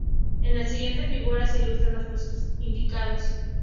En la siguiente figura se ilustran los procesos indicados.